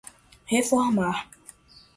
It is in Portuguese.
reformar